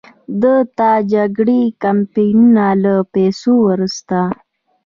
ده ته د جنګي کمپنیو له پیسو وروسته.